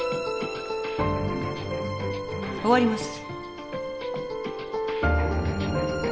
終わります。